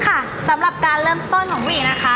ค่ะสำหรับการเริ่มต้นของวีนะคะ